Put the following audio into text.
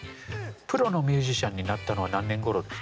プロのミュージシャンになったのは何年ごろですか？